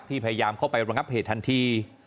พยายามเข้าไประงับเหตุทันที